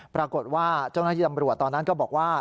ปรากฏว่าเจ้าหน้าที่ตำรวจตอนนั้นก็บอกว่า